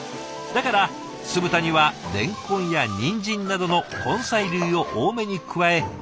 だから酢豚にはれんこんやにんじんなどの根菜類を多めに加え